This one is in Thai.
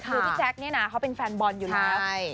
คือพี่แจ๊คเนี่ยนะเขาเป็นแฟนบอลอยู่แล้ว